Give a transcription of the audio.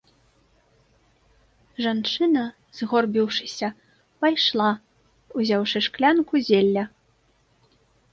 Жанчына, згорбіўшыся, пайшла, узяўшы шклянку зелля.